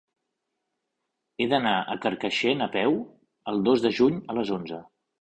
He d'anar a Carcaixent a peu el dos de juny a les onze.